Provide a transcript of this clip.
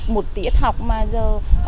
một tiết học mà giờ